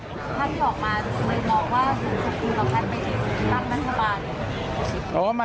ถ้าที่ออกมาคุณหมายถึงบอกว่าคุณคุณค่ะเป็นรัฐมันธรรม